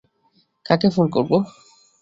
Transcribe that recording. কাকে ফোন করব?